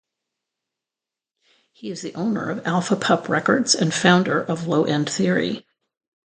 He is the owner of Alpha Pup Records and founder of Low End Theory.